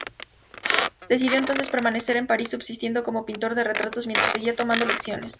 Decidió entonces permanecer en París subsistiendo como pintor de retratos mientras seguía tomando lecciones.